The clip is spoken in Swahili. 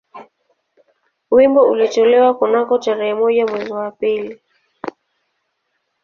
Wimbo ulitolewa kunako tarehe moja mwezi wa pili